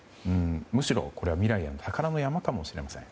むしろ、これは未来への宝の山かもしれません。